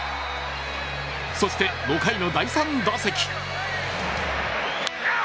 そして５回の第３打席。